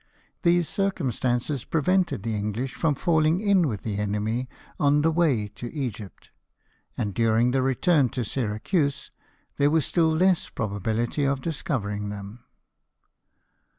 These circum stances prevented the English from falling in with the enemy on the way to Egypt, and during the return to Syracuse there was still less probability of discovering them.